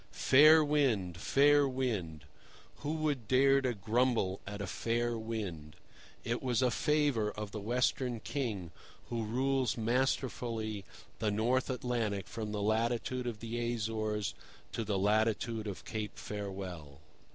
Fair wind, fair wind! Who would dare to grumble at a fair wind? It was a favour of the Western King, who rules masterfully the North Atlantic from the latitude of the Azores to the latitude of Cape Farewell.